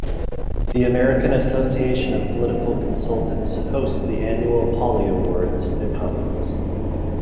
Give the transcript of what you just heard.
The American Association of Political Consultants hosts the annual Pollie Awards and Conference.